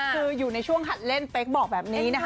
คืออยู่ในช่วงหัดเล่นเป๊กบอกแบบนี้นะคะ